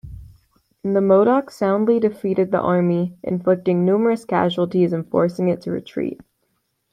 The Modoc soundly defeated the Army, inflicting numerous casualties and forcing it to retreat.